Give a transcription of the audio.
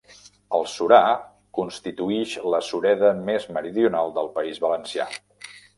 El Surar constituïx la sureda més meridional del País Valencià.